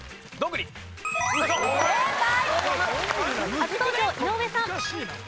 初登場井上さん。